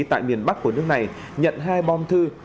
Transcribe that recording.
tại miền bắc của nước này nhận hai bom thư